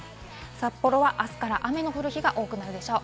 札幌はあすから雨の降る日が多くなるでしょう。